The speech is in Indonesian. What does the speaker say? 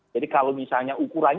jadi kalau misalnya ukurannya